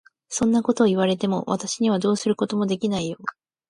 そんなことを言われても、私にはどうすることもできないよ。